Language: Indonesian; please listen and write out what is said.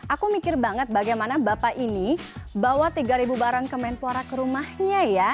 aku mikir banget bagaimana bapak ini bawa tiga ribu barang kemenpora ke rumahnya ya